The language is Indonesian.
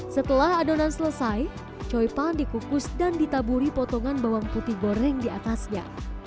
setelah adonan selesai choy pan dikukus dan ditaburi potongan bawang putih goreng diatasnya